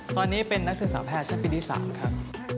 ตอนนี้เป็นนักศึกษาแพทย์ชั้นปีที่๓ครับ